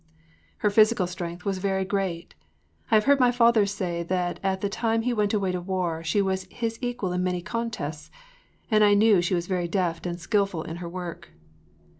” Her physical strength was very great. I have heard my father say that at the time he went away to war she was his equal in many contests, and I know she was very deft and skillful in her work.